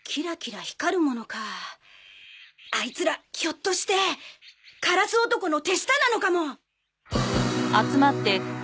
あいつらひょっとしてカラス男の手下なのかも。